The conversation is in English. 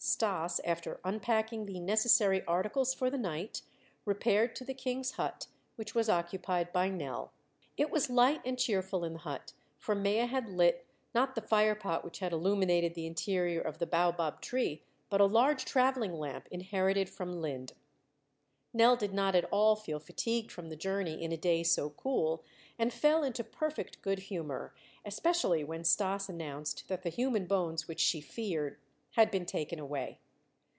Stas, after unpacking the necessary articles for the night, repaired to the king's hut, which was occupied by Nell. It was light and cheerful in the hut, for Mea had lit, not the fire pot which had illuminated the interior of the baobab tree, but a large traveling lamp inherited from Linde. Nell did not at all feel fatigued from the journey in a day so cool, and fell into perfect good humor, especially when Stas announced that the human bones, which she feared, had been taken away.